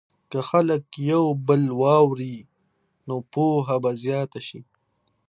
که خلک یو بل واوري، نو پوهه به زیاته شي.